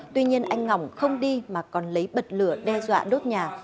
tuy nhiên anh ngỏng không đi mà còn lấy bật lửa đe dọa đốt nhà